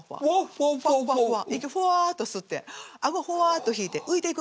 ファッファッ息ふわっと吸って顎ふわっと引いて浮いていく感覚。